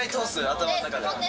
頭の中で。